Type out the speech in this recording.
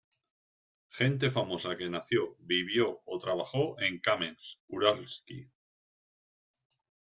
Gente famosa que nació, vivió o trabajó en Kamensk-Uralsky